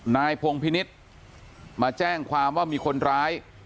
นายพงพินิษฐ์มาแจ้งความว่ามีคนร้าย